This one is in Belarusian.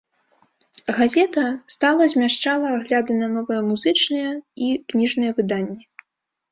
Газета стала змяшчала агляды на новыя музычныя і кніжныя выданні.